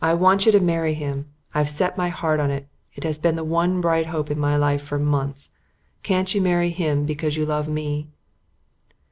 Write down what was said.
"I want you to marry him. I've set my heart on it. It has been the one bright hope in my life for months. Can't you marry him because you love me?"